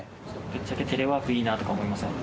ぶっちゃけテレワークいいなとか思いません？